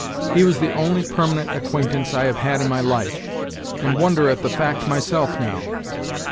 He was the only permanent acquaintance I have had in my life, and wonder at the fact myself now.